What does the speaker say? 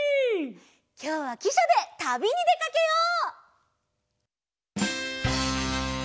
きょうはきしゃでたびにでかけよう！